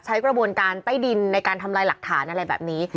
ใช้กระบวนการใต้ดินในการทำลายหลักฐานอะไรแบบนี้